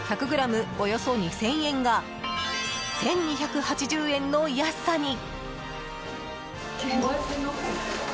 およそ２０００円が１２８０円の安さに。